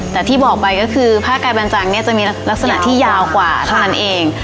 แต่ที่บอกไปก็คือผ้ากายแบนจังเนี่ยจะมีลักษณะที่ยาวกว่าเท่านั้นเอง